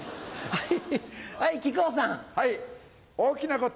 はい。